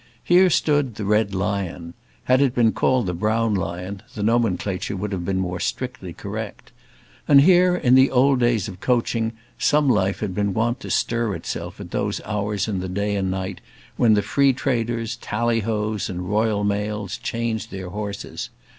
Here stood the Red Lion; had it been called the brown lion, the nomenclature would have been more strictly correct; and here, in the old days of coaching, some life had been wont to stir itself at those hours in the day and night when the Freetraders, Tallyhoes, and Royal Mails changed their horses.